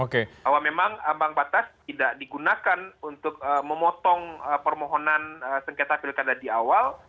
bahwa memang ambang batas tidak digunakan untuk memotong permohonan sengketa pilkada di awal